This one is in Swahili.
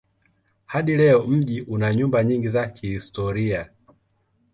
Hadi leo mji una nyumba nyingi za kihistoria.